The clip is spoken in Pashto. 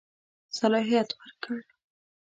صلاحیت ورکړ.